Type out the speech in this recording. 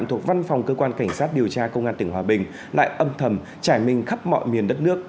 thuộc văn phòng cơ quan cảnh sát điều tra công an tỉnh hòa bình lại âm thầm trải mình khắp mọi miền đất nước